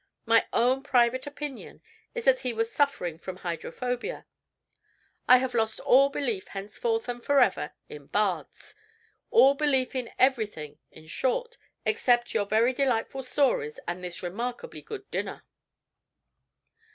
My own private opinion is that he was suffering from hydrophobia. I have lost all belief, henceforth and forever, in bards all belief in everything, in short, except your very delightful stories and this remarkably good dinner."